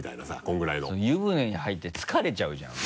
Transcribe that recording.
これぐらいの湯船に入って疲れちゃうじゃん。